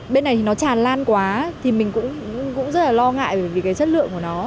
bên này thì nó tràn lan quá thì mình cũng rất là lo ngại bởi vì cái chất lượng của nó